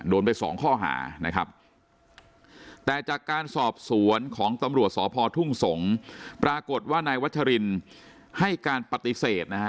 โดนไปสองข้อหานะครับแต่จากการสอบสวนของตำรวจสพทุ่งสงศ์